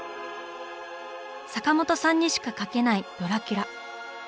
坂本さんにしか描けない「ドラキュラ」。